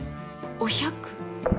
お百。